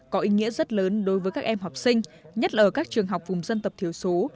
sẽ rất lớn đối với các em học sinh nhất là ở các trường học vùng dân tập thiểu số